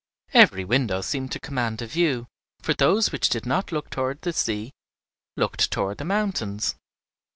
Every window seemed to command a view, for those which did not look toward the sea looked toward the mountains.